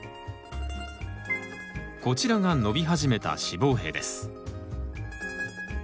こちらが伸び始めた子房柄です。